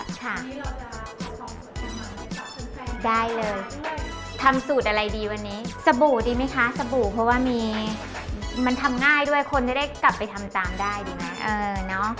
ได้เลยทำสูตรอะไรดีวันนี้สบู่ดีไหมคะสบู่เพราะว่ามีมันทำง่ายด้วยคนจะได้กลับไปทำตามได้ดีไหม